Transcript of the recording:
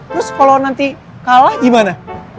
terus kalau nanti kalah gimana